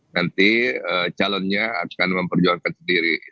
nanti calonnya akan memperjuangkan sendiri